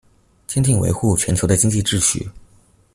堅定維護全球的經濟秩序